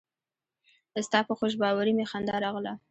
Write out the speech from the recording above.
ستا په خوشباوري مې خندا راغله.